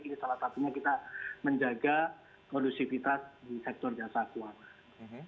ini salah satunya kita menjaga kondusivitas di sektor jasa keuangan